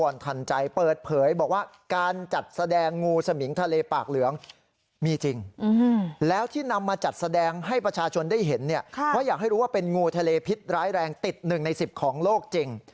ร้ายแรงติดหนึ่งในสิบของโลกจริง